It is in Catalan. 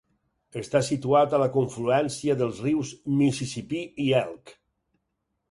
Està situat a la confluència dels rius Mississipí i Elk.